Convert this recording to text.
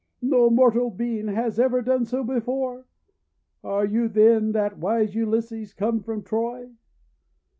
No mortal being has ever done so before! Are you then that wise Ulysses come from Troy?